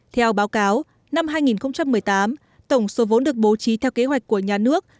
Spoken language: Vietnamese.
theo báo cáo năm hai nghìn một mươi tám tổng số vốn được bố trí theo kế hoạch của nhà nước